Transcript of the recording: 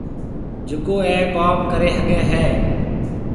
جڪو اَي ڪوم ڪريَ هگھيََََ هيَ۔